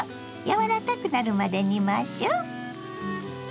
柔らかくなるまで煮ましょう。